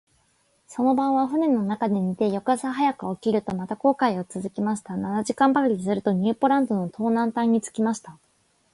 その晩は舟の中で寝て、翌朝早く起きると、また航海をつづけました。七時間ばかりすると、ニューポランドの東南端に着きました。